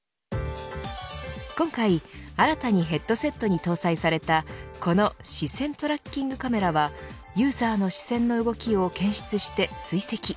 今回新たにヘッドセットに搭載されたこの視線トラッキングカメラはユーザーの視線の動きを検出して追跡。